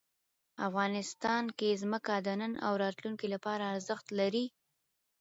افغانستان کې ځمکه د نن او راتلونکي لپاره ارزښت لري.